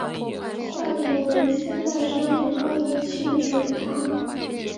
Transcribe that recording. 下图为现代商品化的汽水糖。